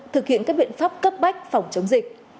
thực hiện các biện pháp cấp bách phòng chống dịch